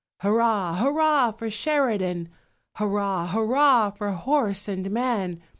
Hurrah, hurrah, for Sheridan! Hurrah, hurrah, for horse and man!